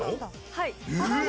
はい。